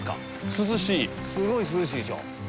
涼しいすごい涼しいでしょ？